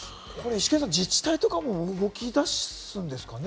イシケンさん、自治体とかも動き出すんですかね？